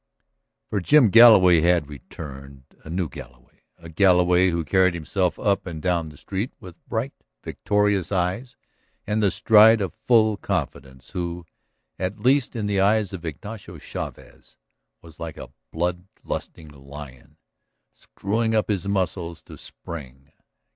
For Jim Galloway had returned, a new Galloway, a Galloway who carried himself up and down the street with bright, victorious eyes, and the stride of full confidence, who, at least in the eyes of Ignacio Chavez, was like a blood lusting lion "screwing up his muscles" to spring.